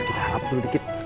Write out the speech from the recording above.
kita lap dulu dikit